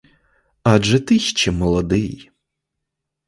Адже ти ще молодий.